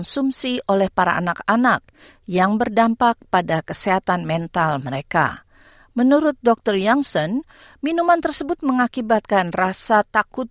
sekarang dapat menerima suplai selama enam puluh hari dengan harga resep tiga puluh hari